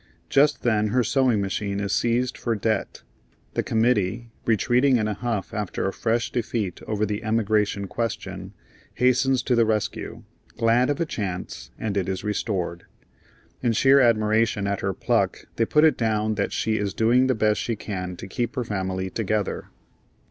Just then her sewing machine is seized for debt. The committee, retreating in a huff after a fresh defeat over the emigration question, hastens to the rescue, glad of a chance, and it is restored. In sheer admiration at her pluck they put it down that "she is doing the best she can to keep her family together."